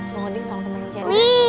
kalo mau ding tolong kembali cherry